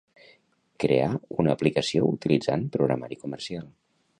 Crear una aplicació utilitzant programari comercial.